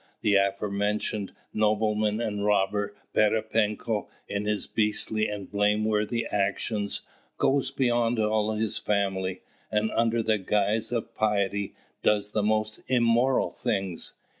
The afore mentioned nobleman and robber, Pererepenko, in his beastly and blameworthy actions, goes beyond all his family, and under the guise of piety does the most immoral things.